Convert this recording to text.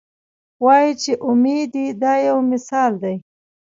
وایي چې اومې دي دا یو مثال دی.